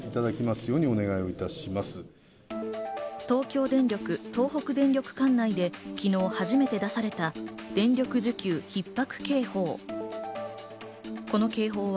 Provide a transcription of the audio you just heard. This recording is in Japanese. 東京電力東北電力管内で昨日初めて出された電力需給ひっ迫警報。